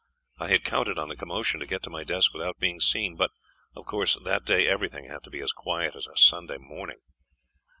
I had counted on the commotion to get to my desk without being seen; but, of course, that day everything had to be as quiet as Sunday morning.